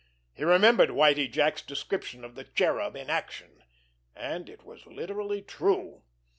He remembered Whitie Jack's description of the Cherub in action—and it was literally true.